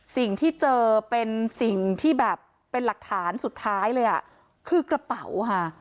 สิ่งที่เจอเป็นสิ่งที่แบบเป็นหลักฐานสุดท้ายเลยอ่ะคือกระเป๋าค่ะ